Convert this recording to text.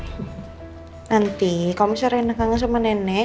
nanti kalau misalnya reina kaget sama nenek